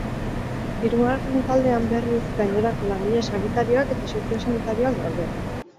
Hirugarren taldean, berriz, gainerako langile sanitarioak eta soziosanitarioak daude.